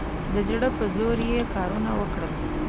د زړه په زور یې کارونه وکړل.